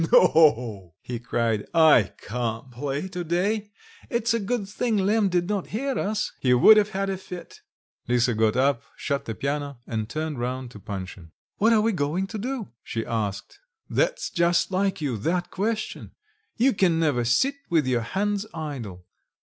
"No!" he cried, "I can't play to day; it's a good thing Lemm did not hear us; he would have had a fit." Lisa got up, shut the piano, and turned round to Panshin. "What are we going to do?" she asked. "That's just like you, that question! You can never sit with your hands idle.